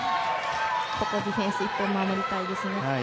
ここディフェンス１本守りたいですね。